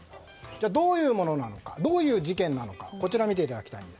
じゃあ、どういうものなのかどういう事件なのか。